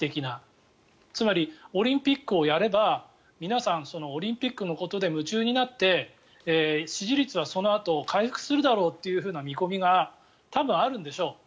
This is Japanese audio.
つまりオリンピックをやれば皆さん、オリンピックのことで夢中になって支持率はそのあと回復するだろうという見込みが多分あるんでしょう。